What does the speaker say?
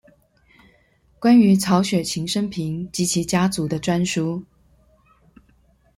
關於曹雪芹生平及其家族的專書